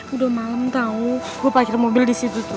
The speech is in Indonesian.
udah malem tau gue paket mobil di situ tuh